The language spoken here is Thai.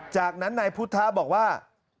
จากนั้นนายพุทธะบอกว่า